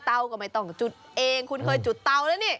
ก็ไม่ต้องจุดเองคุณเคยจุดเตาแล้วนี่